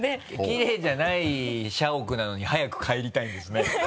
きれいじゃない社屋なのに早く帰りたいんですね。